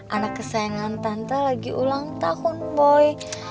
anak kesayangan tante lagi ulang tahun boy